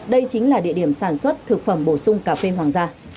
đây chính là địa điểm sản xuất thực phẩm bổ sung cà phê hoàng gia